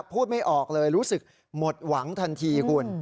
พูดไม่ออกเลยรู้สึกหมดหวังทันทีคุณ